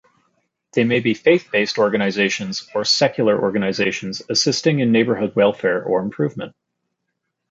They may be faith-based organizations, or secular organizations assisting in neighborhood welfare or improvement.